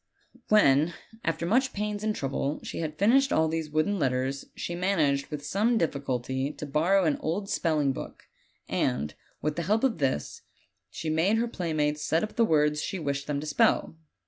"When, after much pains and trouble, she had finished all these wooden letters, she managed with some diffi culty to borrow tin old spelling book, and, with the help of this, she made her playmates set up the words she wished them to spell.